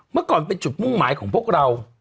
เมื่อก่อนเป็นจุดมุ่งหมายของพวกเรา